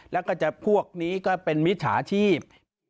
แล้วก็จะพวกนี้ก็เป็นมิจฉาชีพ